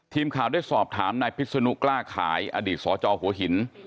ทีมข่าวได้สอบถามนายพิศนุกล้าขายอดีตสจหัวหิน